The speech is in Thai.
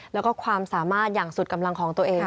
แล้วก็ความสามารถอย่างสุดกำลังของตัวเอง